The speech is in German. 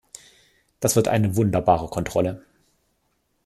Das wird eine wunderbare Kontrolle!